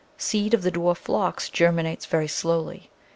Seed of the dwarf Phlox germinates very slowly.